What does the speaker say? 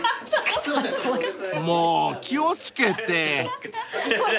［もう気を付けて］